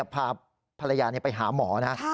พาภรรยาไปหาหมอนะ